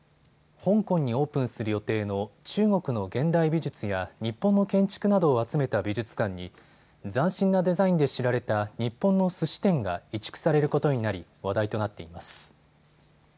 香港にオープンする予定の中国の現代美術や日本の建築などを集めた美術館に斬新なデザインで知られた日本のすし店が移築されることになり、話題となっています。